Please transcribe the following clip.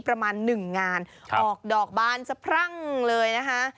ประมาณหนึ่งงานออกดอกบานสะพรั่งเลยนะคะ